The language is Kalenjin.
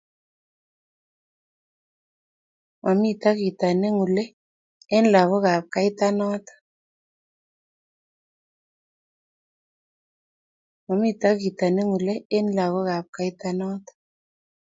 mamito kito ne ng'ule eng' lagokab kaita noto